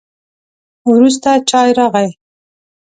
وروسته چای راغی.